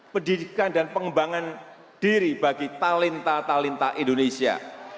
pendidikan dan pengembangan diri bagi talenta talenta indonesia